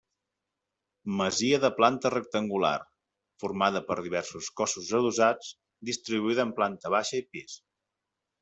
Masia de planta rectangular, formada per diversos cossos adossats, distribuïda en planta baixa i pis.